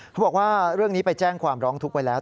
เขาบอกว่าเรื่องนี้ไปแจ้งความร้องทุกข์ไว้แล้ว